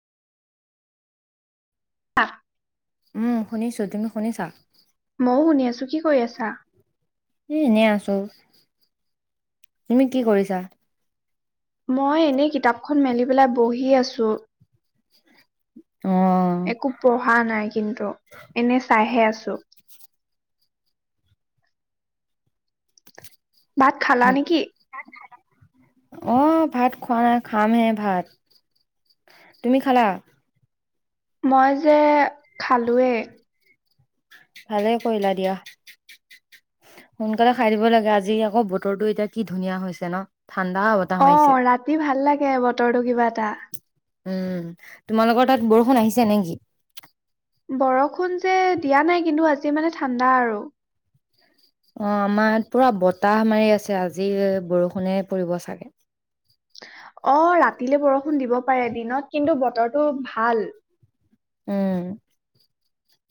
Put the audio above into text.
আহ। উম, শুনিছো, তুমি শুনিছা? মইয়ও শুনি আছো, কি কৰি আছা? এ, এনেই আছো, তুমি কি কৰিছা? মই এনেই কিতাপখন মেলি পেলাই বহি আছোঁ। অ একো পঢ়া নাই, কিন্তু এনে চাইহে আছো। চ- ভাত খালা নেকি? আহ ভাত খোৱা নাই, খামহে ভাত, তুমি খালা? মই যে খালোৱেই। ভালে কৰিলা দিয়া সোনকালে খাই দিব লাগে, আজি আকৌ বতৰটো এতিয়া কি ধুনীয়া হৈছে ন'? ঠাণ্ডা বতাহ মাৰিছে অ', ৰাতি ভাল লাগে। তাকে বতৰটো কিবা এটা উম, তোমালোকৰ তাত বৰষুণ আহিছে নেকি? বৰষুণ যে দিয়া নাই কিন্তু আজি মানে ঠাণ্ডা আৰু অ', আমাৰ পুৰা বতাহ মাৰি আছে আজি বৰষুণে পৰিব চাগে। অ', ৰাতিলে বৰষুণ দিব পাৰে দিনত কিন্তু বতৰটো ভাল। উম।